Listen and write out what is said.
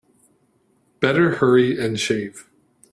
Better hurry and shave.